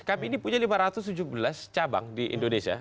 kami ini punya lima ratus tujuh belas cabang di indonesia